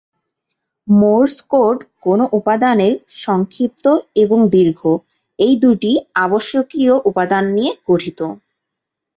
Morse code কোন উপাদানের "সংক্ষিপ্ত এবং দীর্ঘ" এ দুটি আবশ্যকীয় উপাদান নিয়ে গঠিত।